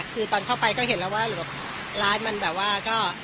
คือตอนเข้าไปก็เห็นแล้วว่าร้านมันแบบว่าก็